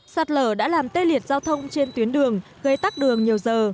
sạt lở đã làm tê liệt giao thông trên tuyến đường gây tắc đường nhiều giờ